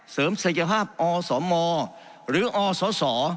เสริมศักยภาพอสมหรืออสส